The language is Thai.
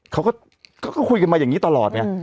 เขาก็คุยกันมาอย่างนี้ตลอดไง